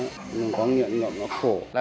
không có nghiện thì nó khổ